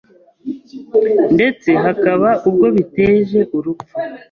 ndetse hakaba ubwo biteje urupfu.